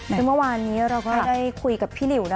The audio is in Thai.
ซึ่งเมื่อวานนี้เราก็ได้คุยกับพี่หนิวนะ